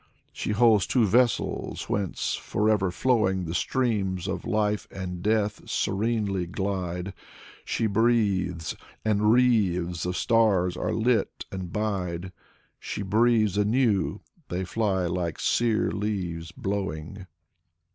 She holds two vessels, whence, forever flowing, The streams of Life and Death serenely glide. She breathes — and wreaths of stars are lit, and bide, She breathes anew: they fly like sere leaves blowing.